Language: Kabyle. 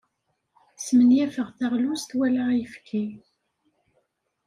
Smenyafeɣ taɣlust wala ayefki.